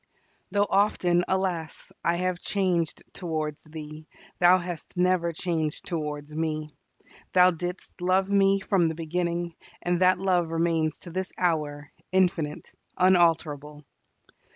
Though often, alas! I have changed towards Thee, Thou hast never changed towards me. Thou didst love me from the beginning, and that love remains to this hour, infinite, unalterable!